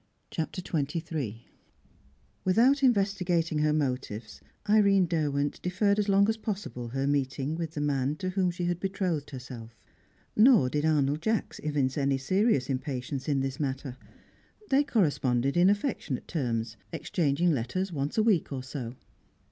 CHAPTER XXIII Without investigating her motives, Irene Derwent deferred as long as possible her meeting with the man to whom she had betrothed herself. Nor did Arnold Jacks evince any serious impatience in this matter. They corresponded in affectionate terms, exchanging letters once a week or so.